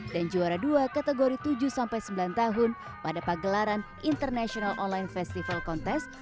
dan juara dua kategori tujuh sembilan tahun pada pagelaran international online festival contest